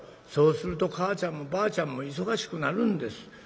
そうすると母ちゃんもばあちゃんも忙しくなるんです。